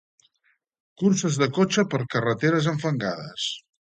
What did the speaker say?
Curses de cotxes per carreteres enfangades.